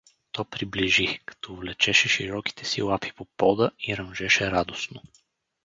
То приближи, като влечеше широките си лапи по пода и ръмжеше радостно.